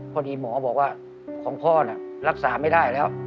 พอดีหมอบอกว่าของพ่อรักษาไม่ได้แล้ว